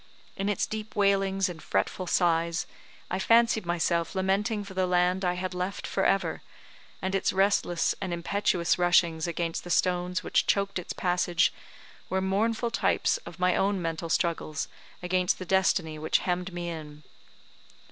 In its deep wailings and fretful sighs, I fancied myself lamenting for the land I had left for ever; and its restless and impetuous rushings against the stones which choked its passage, were mournful types of my own mental struggles against the destiny which hemmed me in.